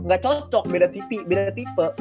ga cocok beda tipe